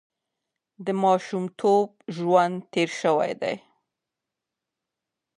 د ماشومتوب ژوند تېر شوی دی.